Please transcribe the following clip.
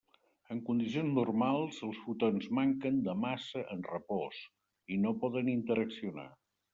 En condicions normals, els fotons manquen de massa en repòs i no poden interaccionar.